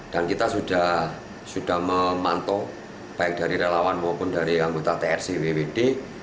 dan kita sudah memantau baik dari relawan maupun dari anggota trc bpd